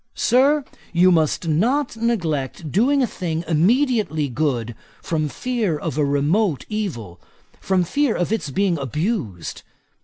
Sir, you must not neglect doing a thing immediately good, from fear of remote evil; from fear of its being abused.